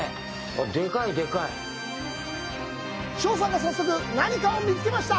翔さんが早速、何かを見つけました。